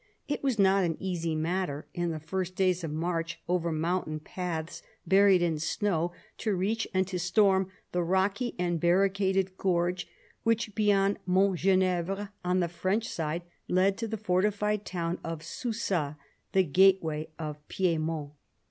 It was not an easy matter, in the first days of March, over mountain paths buried in snow, to reach and to storm the rocky and barricaded gorge which, beyond Mont Genevre on the French side, led to the fortified town of Susa, the gateway of Piedmont.